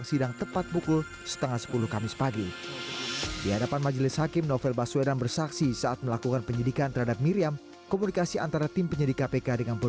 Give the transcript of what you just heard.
itu tiga tiganya sudah diatur sedemikian rupa